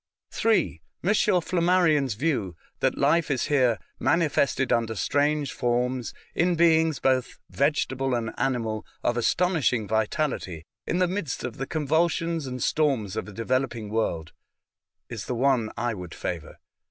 (3) M. Flam marion's view, that life is here " manifested under strange forms, in beings both vegetable and animal of astonishing vitality, in the midst of the convulsions and storms of a developing world " is the one I would favour.